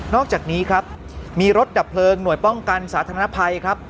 อกจากนี้ครับมีรถดับเพลิงหน่วยป้องกันสาธารณภัยครับ